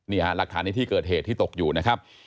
นี่ลักษณะที่เกิดเหตุที่ตกอยู่นะครับ